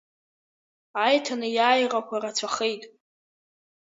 Аиҭанеиааирақәа рацәахеит.